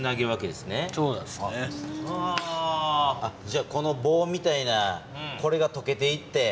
じゃあこのぼうみたいなこれがとけていって。